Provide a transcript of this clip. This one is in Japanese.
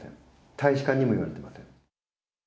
大使館にも言われてません。